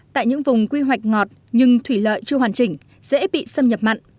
tại những vùng quy hoạch ngọt nhưng thủy lợi chưa hoàn chỉnh dễ bị xâm nhập mặn